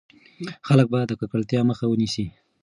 خلک به د ککړتيا مخه ونيسي.